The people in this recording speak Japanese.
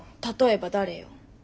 例えば誰よ？